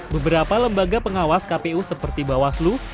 beberapa lembaga pengawas kpu seperti bawaslu